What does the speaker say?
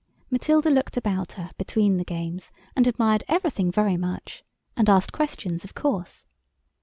Matilda looked about her between the games and admired everything very much, and asked questions, of course.